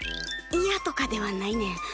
いやとかではないねん。